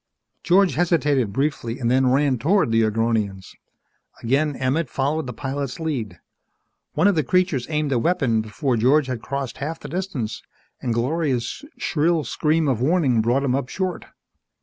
George hesitated briefly and then ran toward the Agronians. Again Emmett followed the pilot's lead. One of the creatures aimed a weapon before George had crossed half the distance and Gloria's shrill scream of warning brought him up short.